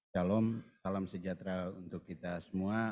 salam salam sejahtera untuk kita semua